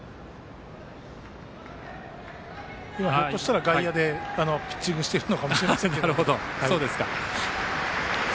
ひょっとしたら外野でピッチングしているのかもしれませんが。